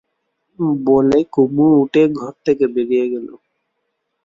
বলে কুমু উঠে ঘর থেকে বেরিয়ে গেল।